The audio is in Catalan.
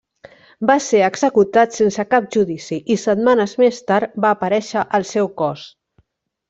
Va ser executat sense cap judici i setmanes més tard va aparèixer el seu cos.